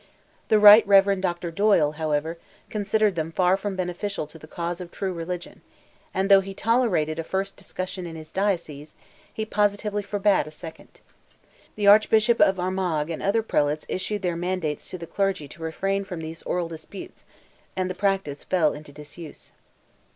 The Right Rev. Dr. Doyle, however, considered them far from beneficial to the cause of true religion; and though he tolerated a first discussion in his diocese, he positively forbade a second. The Archbishop of Armagh and other prelates issued their mandates to the clergy to refrain from these oral disputes, and the practice fell into disuse.